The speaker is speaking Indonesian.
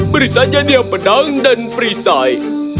beri saja dia pedang dan perisai